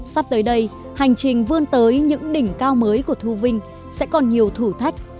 sắp tới đây hành trình vươn tới những đỉnh cao mới của thu vinh sẽ còn nhiều thử thách